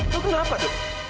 lu kenapa du